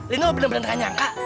lino bener bener gak nyangka